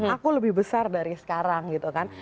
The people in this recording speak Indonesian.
aku lebih besar dari sekarang gitu kan